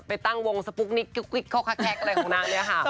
ไปตั้งวงสปุ๊กนิกกิ๊กอะไรของนางเนี่ยค่ะ